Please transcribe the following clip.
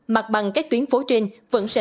mặt bằng các tuyến phố trên vẫn sẽ